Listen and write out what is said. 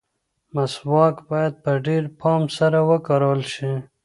مسواک باید په ډېر پام سره وکارول شي.